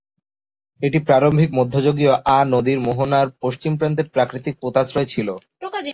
এটি প্রারম্ভিক মধ্যযুগীয় আ নদীর মোহনার পশ্চিম প্রান্তের প্রাকৃতিক পোতাশ্রয় ছিল।